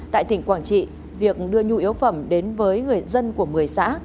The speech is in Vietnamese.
tại tỉnh quảng trị việc đưa nhu yếu phẩm đến với người dân của một mươi xã